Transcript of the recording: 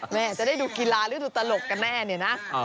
แม่จะได้ดูกีฬาหรือดูตลกกันแน่เนี่ยนะ